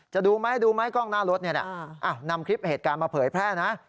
ดูไหมดูไหมกล้องหน้ารถนำคลิปเหตุการณ์มาเผยแพร่นะ